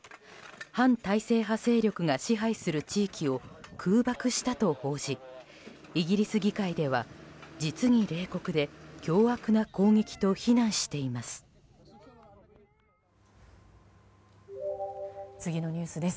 反体制派勢力が支配する地域を空爆したと報じイギリス議会では実に冷酷で凶悪な攻撃と非難しています。